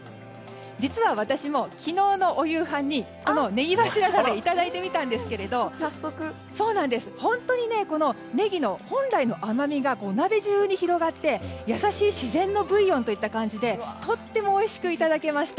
実は私も昨日のお夕飯にこのネギ柱鍋をいただいてみたんですけども本当にネギ本来の甘味が鍋中に広がって優しい自然のブイヨンといった感じでとてもおいしくいただけました。